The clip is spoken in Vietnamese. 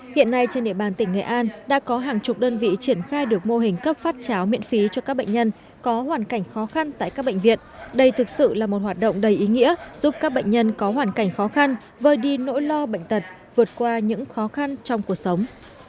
hiện nay trên địa bàn tỉnh nghệ an đã có hàng chục đơn vị triển khai được mô hình cấp phát cháo miễn phí cho các bệnh nhân có hoàn cảnh khó khăn tại các bệnh viện đây thực sự là một hoạt động đầy ý nghĩa giúp các bệnh nhân có hoàn cảnh khó khăn vơi đi nỗi lo bệnh tật vượt qua những khó khăn trong cuộc sống